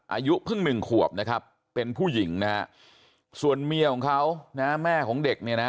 อายุเพิ่งหนึ่งขวบนะครับเป็นผู้หญิงนะฮะส่วนเมียของเขานะแม่ของเด็กเนี่ยนะ